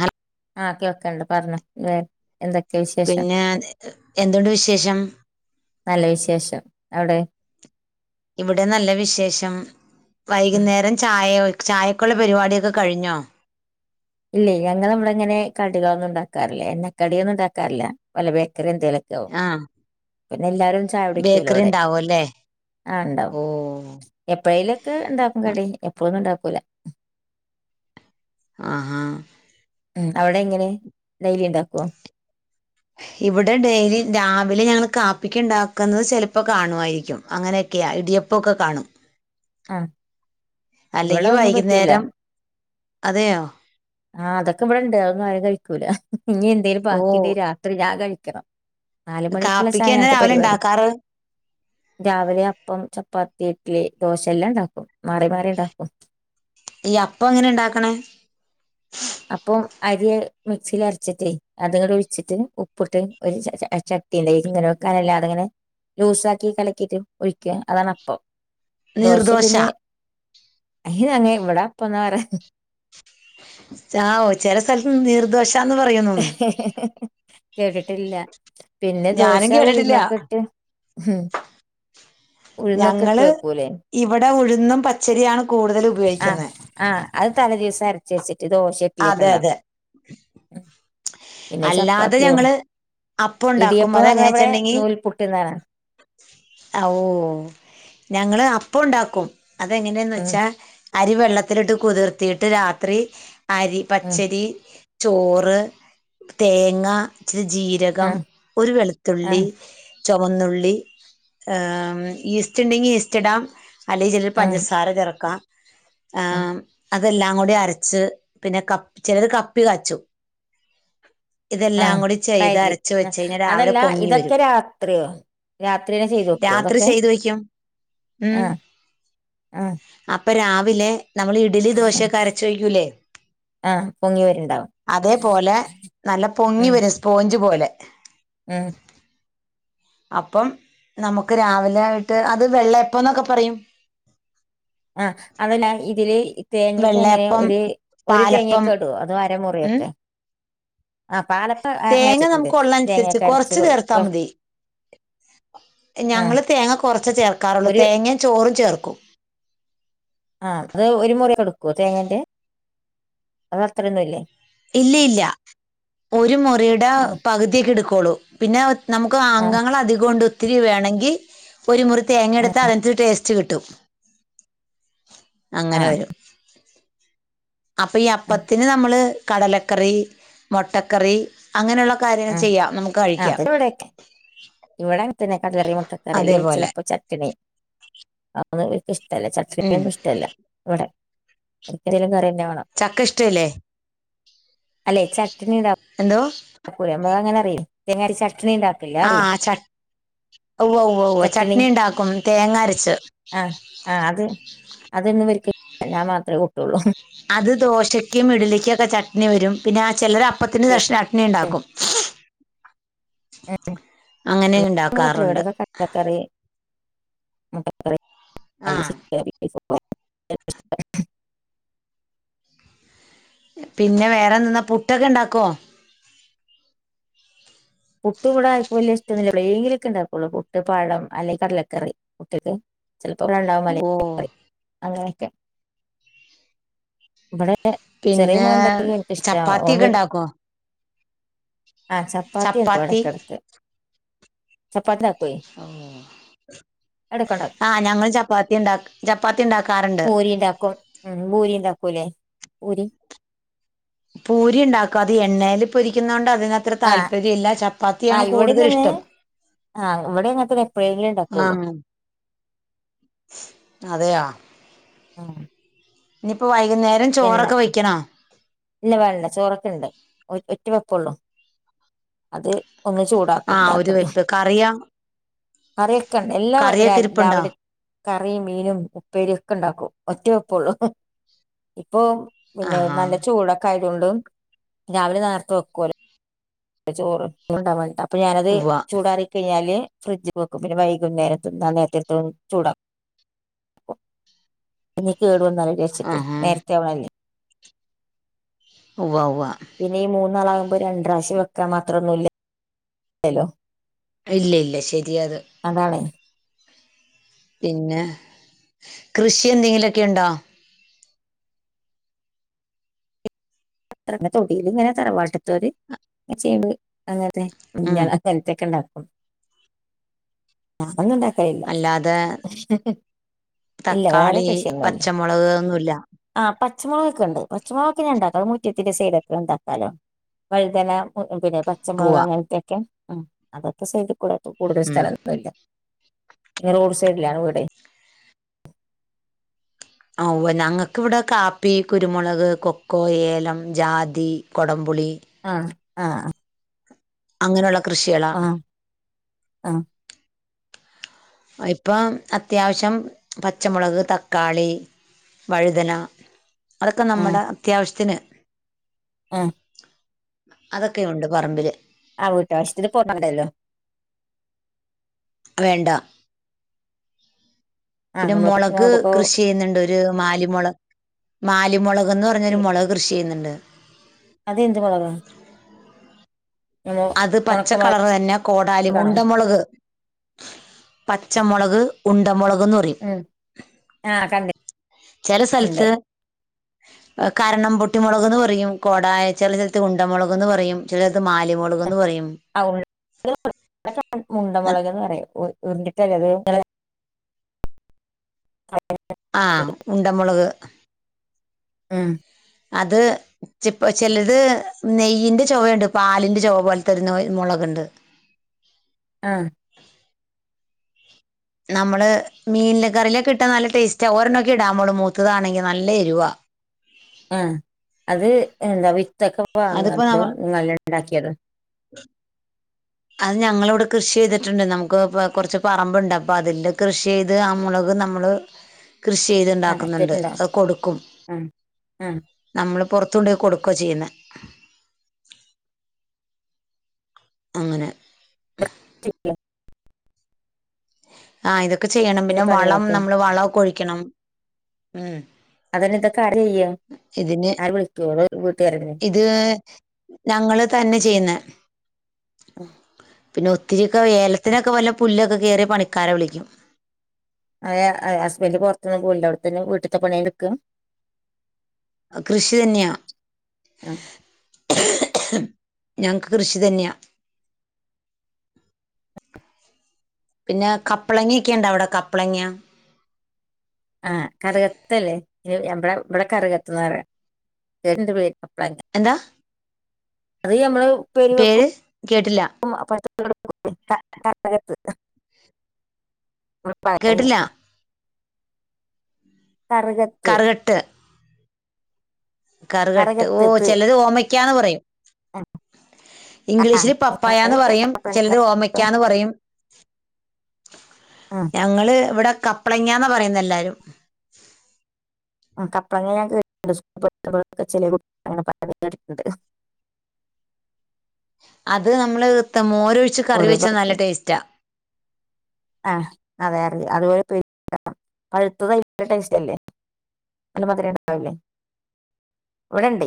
ആഹ [unintelligible] ആക്കെ ഒക്കെണ്ട് പറഞ്ഞോ വേ പിന്നെ എന്തുണ്ട് വിശേഷം നല്ല വിശേഷം അവിടെ ഇവിടെ നല്ല വിശേഷം വൈകുന്നേരം ചായ വെ ചായക്കുള്ള പരിപാടിയൊക്കെ കഴിഞ്ഞോ ഇല്ല്യേ ഞങ്ങളെവ്ടെങ്ങനെ കടികളൊന്നും ഉണ്ടാക്കാറില്ല എണ്ണക്കടികൾ ഉണ്ടാക്കാറില്ല വല്ല ബേക് ക്കറി എന്തെലൊക്കാവും ആഹ് എല്ലാരും ചായ കുടിക്കൂല ബേക്കറി വ്ടെ ഉണ്ടാവും അല്ലേ ആഹ് ണ്ടാവും ഓ എപ്പഴേലൊക്കെ ഉണ്ടാക്കു കടി എപ്പോളോന്നുണ്ടാകു [unintelligible] ആഹാ ഉം അവിടെങ്ങനെ ഡൈലി ണ്ടാക്കുവോ ഇവിടെ ഡെയിലി രാവിലെ ഞങ്ങള് കാപ്പിക്ക്ണ്ടാക്ക്ന്നത് ചിലപ്പോ കാണുവായിരിക്കും അങ്ങനെയൊക്കെയാ ഇടിയപ്പൊക്കെ കാണും ആഹ് ഇവിടെ അല്ലെങ്കി ഒന്നും പറ്റൂല വൈകിന്നേരം അതെയോ ആഹ് അതൊക്കെവ്ടണ്ട് അതൊന്നാരു കഴിക്കൂല ഇനി എന്തേലും ബാക്കിണ്ടങ്കി രാത്രി ഞാൻ കഴി ക്കണ കാപ്പിക്കെന്നാ രാവിലെ ണ്ടാക്കാറ് രാവിലെ അപ്പം ചപ്പാത്തി ഇഡ്ലി ദോശ എല്ലാണ്ടാക്കും മാറി മാറി ണ്ടാക്കും ഈ അപ്പെങ്ങനെ ണ്ടാക്ക്ണേ അപ്പം അരിയെ മിക്സിൽ അരച്ചിട്ടേ അത്ങ്ങട് ഒഴിച്ചിട്ട് ഉപ്പിട്ട് ഒരു ച ചട്ടിലെ ഇങ്ങനെ വെക്കാനെല്ല അതങ്ങനെ ലൂസാക്കി കലക്കീട്ട് ഒഴിക്ക അതാണപ്പം ദോശ നീർദോശ പിന്നെ അയിനങ്ങെ ഇവിടപ്പന്നാ പറയഹ് [unintelligible] ചെല സ്ഥലത്ത് നിർദോഷ ഹേ ഹേ ഹേ ഹേ [inaudible] കേട്ടിട്ടില്ല പിന്നെ ദോശ ഞാനും കേട്ടിട്ടില്ല ഉഴുന്നൊക്കെ ഇട്ട് ഹും ഞങ്ങള് വെക്കൂലേ ഇവിടെ ഉഴു ന്നും പച്ചരിയാണ് കൂടുതല് ആഹ് ഉപയോഗിക്ക്ന്നെ ആഹ് അത് തല ദിവസരച്ചെച്ച് ച്ച് ദോശെ ഇട്ലിയോക്കെ അതെ അതെ ണ്ടാക്കും ഉം പിന്നെ അല്ലാതെ ചപ്പാത്തിയോ ഞങ്ങള് അപ്പം ഉണ്ടാക്കും ഇടിയപ്പോ പറഞ്ഞ അതെങ്ങനെയാ ഇവിടെ വെച്ചിട്ടുണ്ടെങ്കി നൂൽപുട്ട്ന്നാണ് ഓ ഞങ്ങള് അപ്പ ഉണ്ടാക്കും അതെങ്ങനെയാന്ന് ഉം വെച്ചാ അരി വെള്ളത്തിലിട്ട് കുതിർത്തിട്ട് രാത്രി അരി ഉം പച്ചരി ചോറ് തേങ്ങ ച്ചിരി ജീരകം ആഹ് ഒരു വെളുത്തുള്ളി ആഹ് ചൊവന്നുള്ളി ഈസ്റ്റ് ണ്ടെങ്കി ഈസ്റ്റ് ടാം അല്ലെ ചെലര് ആഹ് പഞ്ചസാര ചേർക്കാം ആഹ് ആമ് അ അതെല്ലാം കൂടി അരച്ച് പിന്നെ കപ് ചെലര് കപ്പി കാച്ചു ആഹ് തൈര് രാവിലെ അതല്ല പൊങ്ങി ഇതൊക്കെ വരും രാത്രിയോ രാത്രിനെ ചെയ്തൊക്കുവോ രാത്രി തൊക്കെ ചെയ്ത് വെക്കും ആഹ് ആഹ് പ്പൊ രാവിലെ നമ്മള് ഇഡലി ദോശെക്കെ അരച്ച് വെക്കൂലേ ആഹ് പൊങ്ങി വരുണ്ടാവും അതേപോലെ നല്ല പൊങ്ങി വര് സ്പോ ഞ്ജ് പോലെ മ് അപ്പം നമുക്ക് രാവിലെ ആയിട്ട് അത് വെള്ളയപ്പന്നൊക്കെ പറയും ആഹ് അതല്ല ഇതില് തേങ്ങൊക്കെ എങ്ങനെ വെള്ളെയപ്പം ഒരു ഒരു പാലപ്പം തേങ്ങയൊക്കെ ഇടോ അതോ മ് അരമുറിയൊക്കെ ആഹ് പാലപ്പം അങ്ങനെ തേങ്ങ വെച്ചിട്ടുണ്ട് നമുക്ക് ഉള്ളനുസരിച്ച് തേങ്ങക്കെ അരച്ച് കൊറച്ച് ചേർത്താ മതി ആഹ് ഞങ്ങള് തേങ്ങ കൊർച്ച് ചേർക്കാറുള്ളൂ ഒരു തേങ്ങ ചോ റും ചേർക്കും ആഹ് അത് ഒരു മുറി എടുക്കുവോ തേങ്ങേന്റെ അതൊ അത്രയൊന്നുംല്ലേ ഇല്ല ഇല്ല ഒരു മുറിയുടെ ആഹ് പകുതിയക്കെ എടുക്കു ളൂ പിന്നെ നമുക്ക് ആഹ് അംഗങ്ങള് അധികൊ ഒണ്ട് ഒത്തിരി വേണെങ്കി ഒരു മുറി തേങ്ങ ആഹ് എടുത്ത അത് ടേസ്റ്റ് ച്ച് കിട്ടും അങ്ങനെ ആഹ് വരും അപ്പൊ ഈ അപ്പത്തിന് നമ്മള് കടലക്കറി മൊട്ടക്കറി അങ്ങനെള്ള കാര്യങ്ങൾ ആഹ് ചെയ്യാം നമക്ക് ആഹ് കഴിക്കാം അത് ഇവിടെയൊക്കെ ഇവിടെ അങ്ങ് തന്നെ കട്‌ല റി മുട്ടക്കറി ല്ലി അതേപോലെ ചെലപ്പോ ചട്ടി വി [unintelligible] ഇഷ്ടല്ല ഉം ചക്കരക്കിഴങ്ങ് ഇഷ്ടല്ല വ്ടെ എന്തേലും കാര്യ ചക്ക ഇഷ്ടല്ലേ എന്തോ അപ്പോ നമ്മൾ എങ്ങനെ അറി തേങ്ങ അരച്ച ആ ചട് ഉവ്വോ ഉവ്വോ ഉവ്വ് ചട്ട്ണി ഉണ്ടാകും തേങ്ങ അരച്ച് അതെന്നും വെക്കലില്ല ഞാൻ മാത്രേ കൂട്ടൊള്ളൂ അത് ദോശയ്ക്കും ഇഡലിക്കൊക്കെ ചട്ട്ണി വരും പിന്നെ ആ ചെലർ അപ്പ അപ്പത്തിന് ചട്ട്ണി ഇണ്ടാക്കും ഇവർക്കൊന്നും പറ്റില്ല അങ്ങനെണ്ടാക്കാറുണ്ട് ഇവിടെയൊക്കെ കടലക്കറി [unintelligible] ആ [unintelligible] [unintelligible] പിന്നെ വേറെന്തെന്നാ പുട്ടൊക്കെ ഉണ്ടാക്കോ പുട്ടും ഇവിടെ ആർക്കും വലിയ ഇഷ്ടന്നില്ല എപ്പളെങ്കിലും ഉണ്ടാക്കുള്ളൂ പുട്ട് പഴം അല്ലെങ്കി കടലക്കറി ചെലപ്പോഇവിടണ്ടാകും ഓ ഓക്കേ ഇവിടെ ചെറിയ പിന്നെ മോൻഇണ്ടെങ്കി ഓന്ക് ഇഷ്ട്ട ചപ്പാത്തി ഓൻ ഒക്കെ ഉണ്ടാക്കോ ആ ചപ്പാത്തി ചപ്പാത്തി ഇടക്കിടക്ക് ചപ്പാത്തി ഇണ്ട എടുക്കണ്ട ആ ഞങ്ങൾ ചപ്പാത്തി ഉണ്ടാ ചപ്പാത്തി ഉണ്ടാക്കാറുണ്ട് പൂരിണ്ടാക്കും മ് പൂരിണ്ടാക്കൂലേ പൂരി പൂരി ഉണ്ടാക്കും അത് എണ്ണയിൽ പൊരിക്കുന്നതോണ്ട് അതിനത്ര ആഹ് താല്പര്യ ഇല്ല ചപ്പാത്തിയാണ് ആഹ് ഇവിടെ കൂടുതൽ തന്നെ ഇഷ്ടം ആഹ് ഇവിടെ അങ്ങനത്തെ എപ്പോഴെങ്കിലും ആ ഉണ്ടാക്കുള്ളൂ അതെയ [unintelligible] നിപ്പോ വായി വെള്ളം ഇല്ല വേണ്ട ചോറൊക്കെ ഒറ്റ വെപ്പോള്ളു അത് ഒന്ന് ചൂടാക്കും ആഹ് ഒരു രാത്രി വെപ്പ് കറിയാ കറിഒക്കെ ഉണ്ട് എല്ലാം കറിയൊക്കെ ഇരിപ്പുണ്ടോ രാവിലെ കറിയും മീനും ഉപ്പേരി ഒക്കെ ഉണ്ടാക്കും ഒറ്റ വെപ്പോള്ളൂ ഇപ്പൊ പിന്നെ ആഹാ നല്ല ചൂടൊക്കെ ആയി ണ്ടും രാവിലെ നേരത്തെ വെക്കോലോ ചോറ് കൊണ്ടവാഞ്ഞിട്ടാ അപ്പൊ ഞാനത് ഉവ്വ ചൂടാറി കഴിഞ്ഞാല് ഫ്രിഡ്ജ് വെക്കും പിന്നെ വൈകുന്നേരം തിന്നാൻ നേരത്ത് ഇട്ത്ത് ചൂടാകും ല്ലച്ചിട്ട് ആഹാ നേരത്തെ അവളല്ലേ ഉവ്വ ഉവ്വ പിന്നെ ഈ മൂ ന്നാളാകുമ്പോ രണ്ട്രാവിശ്യം വെക്കാമാത്രം ഒന്നുല്ലല്ലോ ഇല്ല ഇല്ല ശരിയാത് അതാണ് പിന്നെ കൃഷി എന്തെങ്കിലൊക്കെ ഉണ്ടോ [unintelligible] തറവാട്ടിത്തോര് ഇങ്ങനെ ചെയ്യണ്ട് ഉം [unintelligible] [unintelligible] ഏയ്‌ അല്ലാതെ ഇല്ല വേറെ തക്കാളി കൃഷിയൊന്നുയില്ല പച്ചമുളക് ഒന്നുല്ല ആ പച്ചമുളൊക്കെ ഉണ്ട് ഓ അങ്ങനെയൊക്കെ ഉണ്ടാക്കാം [unintelligible] [unintelligible] പച്ചമുളക് ഉവ്വ അങ്ങനത്തെയൊക്കെ അതൊക്കെ ചെയ്തു പോയതാ കൂടുതൽ ഉം സ്ഥലൊന്നുയില്ല റോഡ് സൈഡിലാണ് വീടെ ഞങ്ങക്കിവിടെ കാപ്പി കുരുമുളക് കൊക്കോ ഏലം ജാതി കൊടംപുളി- ആഹ് ആഹ് അങ്ങനെ ഒള്ള ആഹ് ആഹ് ഇപ്പം അത്യാവശ്യം പച്ചമുളക് തക്കാളി വഴുതന അതൊക്കെ നമ്മുടെ ആ അത്യാവശ്യത്തിന് അതൊക്കെയുണ്ട് പറമ്പില് ആ വീട്ടാവശ്യത്തി പോവണ്ടല്ലോ വേണ്ട ആഹ് പിന്നെ നമ്മള് മുളക് പത്തുമുളകൊക്കെ കൃഷി ചെയ്യുന്നുണ്ട് ഒരു മാലിമുളക് മാലിമുളക് എന്ന് ഈ പറഞ്ഞൊരു മുളക് കൃഷി ചെയ്യുന്നുണ്ട് അതെന്ത് മുളകാ നമ്മ അത് ഉണക്കമുളകാണോ പച്ചക്കളറ് തന്നെ കോടാലും ഉണ്ടമുളക് പച്ചമുളക് ഉണ്ടമുളക് എന്ന് പറയും ഉം ആഹ് ചില കണ്ടിട്ടുണ്ട് സ്ഥലത്ത് കരണം പൊട്ടമുളക്ന്ന് പറയും കോട ചില ചർത്ത് ഗുണ്ട മുളക്ന്ന് പറയും ചില സ്ഥലത്ത് മാലി ആ ഉ മുണ്ടമുളക്ന്ന് പറയും ഉരുണ്ടിട്ടല്ലേ അത് ആ ഉണ്ട മുളക് ആഹ അത് ച ചിലത് നെയ്യിന്റെ ചുവവുണ്ട് പാലിന്റെ ചുവ പോലെ തരുുന്ന മുളകുണ്ട് ആഹ് നമ്മള് മീനില് കറിലൊക്കെ ഇട്ടാ നല്ല ടേസ്റ്റാ ഒരെണ്ണം ഒക്കെ നമ്മൾ ഇടാ്പോളും മൂത്തതാണെങ്കിൽ നല്ല എരുവ ആഹ അത് എന്താ വി തക്കെ അതിപ്പോൾ വങ്ങതോ നമ്മൾ നിങ്ങല്ലാം ഉണ്ടാക്കിയത് അത് ഞങ്ങിവിടെ കൃഷി ചെയ്തിട്ടുണ്ട് നമുക്ക് കുറച്ച് പറമ്പുണ്ട് അപ്പ അതില് കൃഷി ചെയ്ത് ആ മുളക് നമ്മള് കൃഷി ആഹ് ചെയ്തുണ്ടാക്കുന്നുണ്ട് എടുത്തിട്ടുണ്ടോ അത് കൊടുക്കും ആഹ് ആഹ് നമ്മൾ പുൊറത്തുണ്ട കൊടുക്ക ചെയ്യുന്ന അങ്ങനെ ശിക്കെ ആഹ് ഇതൊക്കെ ഒെ ചെയ്യണം ഇതിലെ പിന്നെ വളം പണികളൊക്കെ നമ്മൾ വളംൊഴിക്കും ിക്കണം ഉം അതന്നെ ഇതൊക്കെ ആര ചെയ്യ ഇതിന് ആര് വിളിക്കള്ളൂ ഇത് ഞങ്ങള് തന്നെ ചെയ്യുന്ന ഉം പിന്നെ ഒത്തിരിയൊക്കെ ഏലത്തിനൊക്കെ വല്ല പുല്ൊക്കെ കയറി പണിക്കാരെ വിളിക്കും ആ ഹസ്ബന്ഡറ് പുറത്തന്നും പോില്ല അവിടെത്തന്നെ വീട്ടിലത്തെ പണി എടുക്കും കൃഷി തന്നെയാ ഞങ്ങക്ക് കൃഷി തന്നെയാ പിന്നെ കപ്പ്ളങ്ങൊക്കെ ഉണ്ട അവിടെ കപ്പ്ളങ്ങ ആഹ കഥകത്തല്ലേ ഇ എടെ ഇവിടെ കറ കെ എത്തുന്ന വ എന്താ അത് ഞമ്മള് പേരു വെക്കും പേര് കേട്ടില്ല അ ഉ പറ കേട്ടില്ല കറകത്ത് കറുകെട്ട് ഓ ത്ത് ചിലത് ഓമക്കാന്ന് പറയും ആഹ് ഇംഗ്ലീഷില് പപ്പായാന്ന് പറയും കപ്ലങ്ങ ചിലത് ഓമക്കാന്ന് പറയും ഞങ്ങള് ഇവിടെ കപ്പ്ളങ്ങന്ന പറയുന്ന എല്ലാരും കപ്പളങ്ങെ ഞണ്ട്ക്കെ ചെനണ്ട് അത് നമ്മള് കത്ത മോ ഉ ഒഴിച്ച് കറി ഓരോ വെച്ചാൽ നല്ല ടേസ്റ്റാ ആഹ അതെ അറിയ അതുപോലെ പ പഴുത്തത ടേസ്റ്റ് അല്ലേ അ മാത്ര ഉണ്ടാവല്ലേ ഇവിടെണ്ട